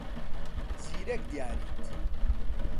زیرەک دیاریت.